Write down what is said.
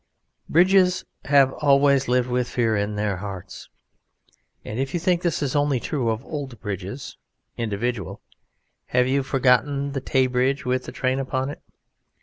Bridges have always lived with fear in their hearts; and if you think this is only true of old bridges (Individual), have you forgotten the Tay Bridge with the train upon it?